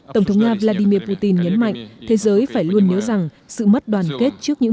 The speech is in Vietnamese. tổng thống nga vladimir putin nhấn mạnh thế giới phải luôn nhớ rằng sự mất đoàn kết trước những